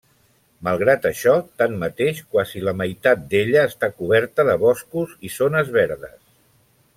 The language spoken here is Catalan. Malgrat això, tanmateix, quasi la meitat d'ella està coberta de boscos i zones verdes.